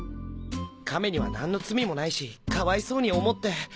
亀には何の罪もないしかわいそうに思って。